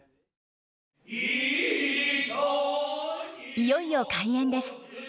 いよいよ開演です。